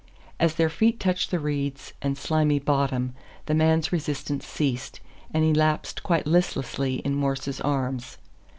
As their feet touched the reeds and slimy bottom the man's resistance ceased, and he lapsed quite listlessly in Morse's arms.